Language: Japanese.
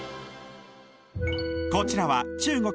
こちらは中国